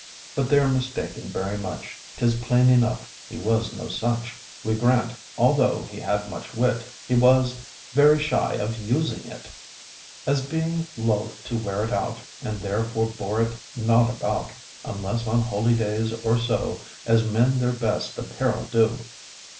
But they're mistaken very much; 'Tis plain enough he was no such: We grant, although he had much wit, H' was very shy of using it, As being loth to wear it out; And therefore bore it not about, Unless on holy days, or so, As men their best apparel do.